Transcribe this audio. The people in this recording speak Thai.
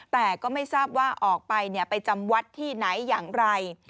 แต่ก็ไม่ทราบว่าออกไปไปจำวัดที่ไหนอย่างไร